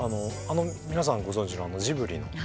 皆さんご存じのジブリの。